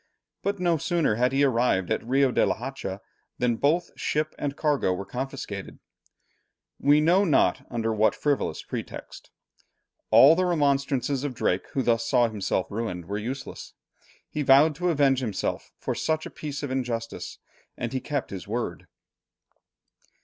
But no sooner had he arrived at Rio de la Hacha, than both ship and cargo were confiscated, we know not under what frivolous pretext. All the remonstrances of Drake, who thus saw himself ruined, were useless. He vowed to avenge himself for such a piece of injustice, and he kept his word.